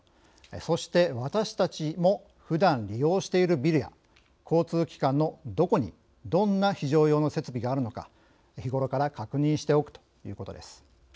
そして私たちもふだん利用しているビルや交通機関のどこにどんな非常用の設備があるのか日頃から確認しておくということです。